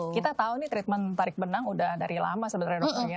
kita tahu ini treatment tarik benang udah dari lama sebenarnya